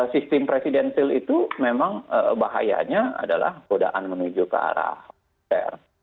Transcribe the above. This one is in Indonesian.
sistem presidensil itu memang bahayanya adalah godaan menuju ke arah